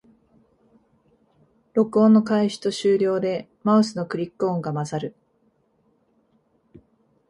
録音の開始と終了でマウスのクリック音が混ざる